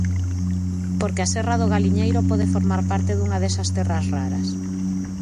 Porque a Serra do Galiñeiro pode formar parte dunha desas terras raras.